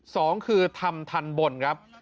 สองคือทำทันบนครับ